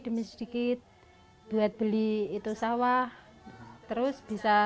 caranya jangan diumumkan